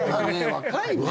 若いね。